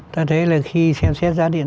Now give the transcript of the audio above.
ta thấy là khi xem xét giá điện